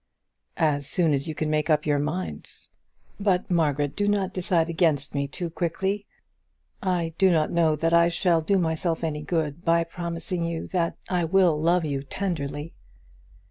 "As soon as you can make up your mind. But, Margaret, do not decide against me too quickly. I do not know that I shall do myself any good by promising you that I will love you tenderly."